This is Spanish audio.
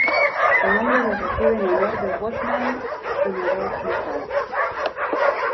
Su nombre lo recibe en honor de Wolfgang Amadeus Mozart.